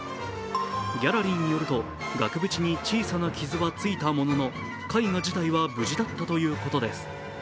ギャラリーによると、額縁に小さな傷はついたものの絵画自体は無事だったということです。